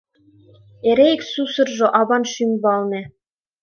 Эре ик сусыржо аван шӱм валне: